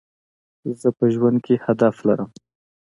زه په ژوند کي هدف لرم.